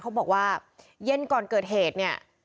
เขาบอกว่าเย็นก่อนเกิดเหตุเนี่ย